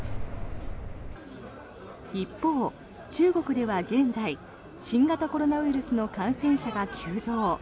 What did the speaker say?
一方、中国では現在新型コロナウイルスの感染者が急増。